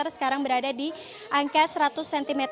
sekarang berada di angka seratus cm